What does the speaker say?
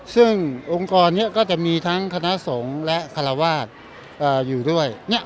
ซึ่งองค์กรนี้ก็จะมีทั้งคณะสงฆ์และคาราวาสอยู่ด้วย